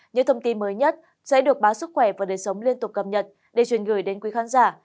những thông tin mới nhất sẽ được báo sức khỏe và đời sống liên tục cập nhật để truyền gửi đến quý khán giả